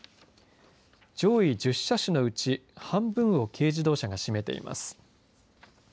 上位１０車種のうち半分を軽自動車が占めています。